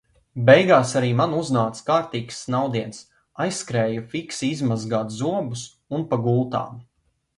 Beigās arī man uznāca kārtīgs snaudiens, aizskrēju fiksi izmazgāt zobus un pa gultām.